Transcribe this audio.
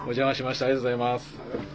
ありがとうございます。